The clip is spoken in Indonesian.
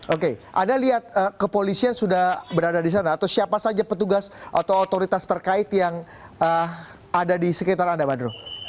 oke anda lihat kepolisian sudah berada di sana atau siapa saja petugas atau otoritas terkait yang ada di sekitar anda badro